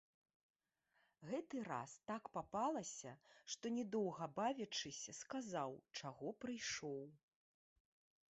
Гэты раз так папалася, што не доўга бавячыся сказаў, чаго прыйшоў.